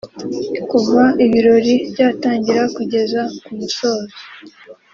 Kuva ibirori byatangira kugeza ku musozo